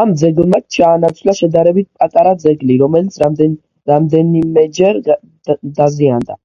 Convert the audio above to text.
ამ ძეგლმა ჩაანაცვლა შედარებით პატარა ძეგლი, რომელიც რამდენიმეჯერ დაზიანდა.